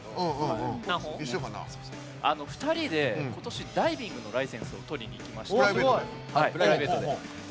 ２人でダイビングのライセンスを取ってプライベートで。